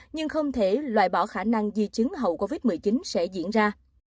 nhưng không thể loại bỏ khả năng di chứng hậu covid một mươi chín sẽ diễn ra